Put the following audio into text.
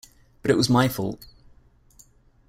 But it was my fault.